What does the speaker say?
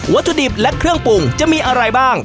ถุดิบและเครื่องปรุงจะมีอะไรบ้าง